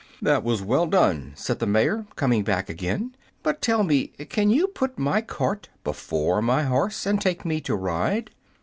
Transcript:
"That was well done," said the mayor, coming back again; "but tell me, can you put my cart before my horse and take me to ride?"